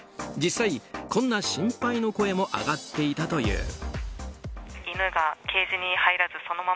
実際、こんな心配の声も上がっていたという。